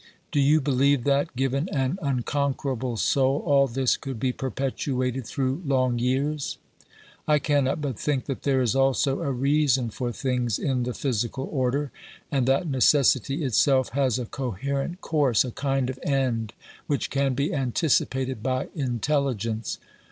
Do you believe that, given an unconquerable soul, all this could be perpetuated through long years ? OBERMANN 137 I cannot but think that there is also a reason for things in the physical order, and that necessity itself has a coherent course, a kind of end which can be anticipated by intelligence.